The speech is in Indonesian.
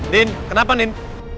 din kenapa nin